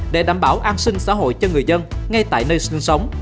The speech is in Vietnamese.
để đảm bảo an sinh xã hội cho người dân ngay tại nơi sinh sống